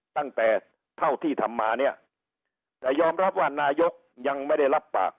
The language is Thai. ตั้งแต่เท่าที่ทำมาเนี่ยแต่ยอมรับว่านายกยังไม่ได้รับปาก